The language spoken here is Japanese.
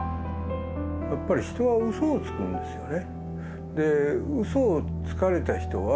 やっぱり人は嘘をつくんですよね。